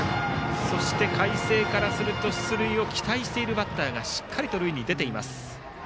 そして海星からすると出塁を期待しているバッターがしっかりと塁に出ています。